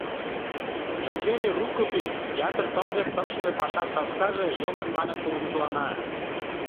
Неужели рукопись, ятыр тылзе тыршыме пашан саскаже, йомын манын тургыжлана.